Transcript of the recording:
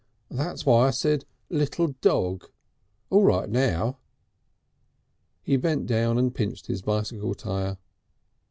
That's why I said Little Dog. All right now." He bent down and pinched his bicycle tire.